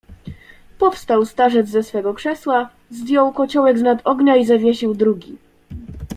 "Powstał starzec ze swego krzesła, zdjął kociołek z nad ognia i zawiesił drugi."